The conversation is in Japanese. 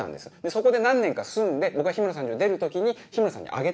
そこで何年か住んで僕が日村さんの家を出る時に日村さんにあげたんです。